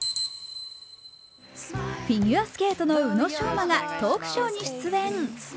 フィギュアスケートの宇野昌磨がトークショーに出演。